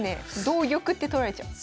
同玉って取られちゃう。